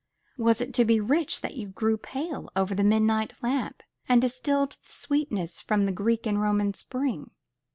Was it to be rich that you grew pale over the midnight lamp, and distilled the sweetness from the Greek and Roman spring?